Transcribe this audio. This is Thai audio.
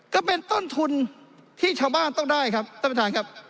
ก็เป็นต้นทุนที่ชาวบ้านต้องได้ครับท่านผู้จัง